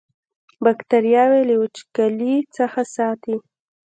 باکتریاوې له وچوالي څخه ساتي.